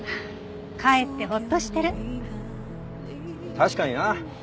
確かにな。